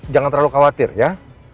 jangan terlalu khawatir ya